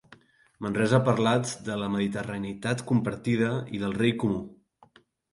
Manresa ha parlat de la mediterraneïtat compartida, i del rei comú.